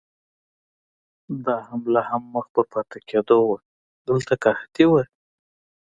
دا حمله هم مخ په پاتې کېدو وه، دلته قحطي وه.